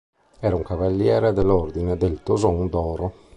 Era un Cavaliere dell'Ordine del Toson d'Oro.